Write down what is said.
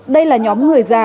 đây là nhóm người già